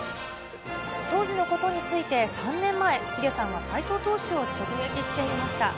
当時のことについて、３年前、ヒデさんは斎藤投手を直撃していました。